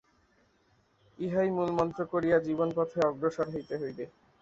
ইহাই মূলমন্ত্র করিয়া জীবনপথে অগ্রসর হইতে হইবে।